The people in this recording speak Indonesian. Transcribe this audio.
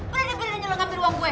berani beneran nyeleng ambil uang gue